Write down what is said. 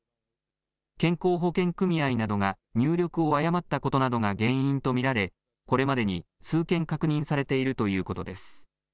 健康保険組合などが入力を誤ったことなどが原因と見られこれまでに数件確認されているということです。